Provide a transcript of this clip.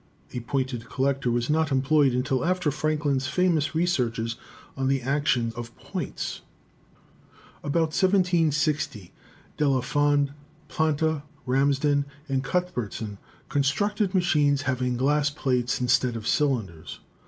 A pointed col lector was not employed until after Franklin's famous re searches on the action of points. About 1760 De la Fond, Planta, Ramsden and Cuthbertson constructed machines having glass plates instead of cylinders.